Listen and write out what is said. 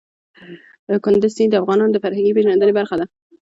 کندز سیند د افغانانو د فرهنګي پیژندنې برخه ده.